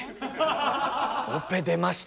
オペ出ました